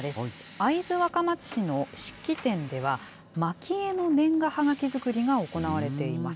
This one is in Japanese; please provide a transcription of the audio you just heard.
会津若松市の漆器店では、まき絵の年賀はがき作りが行われています。